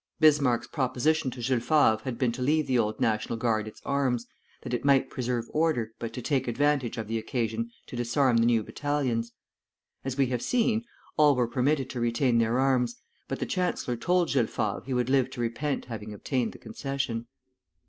Bismarck's proposition to Jules Favre had been to leave the Old National Guard its arms, that it might preserve order, but to take advantage of the occasion to disarm the New Battalions. As we have seen, all were permitted to retain their arms; but the chancellor told Jules Favre he would live to repent having obtained the concession.